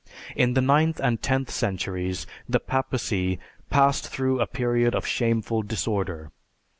"In the ninth and tenth centuries the papacy passed through a period of shameful disorder.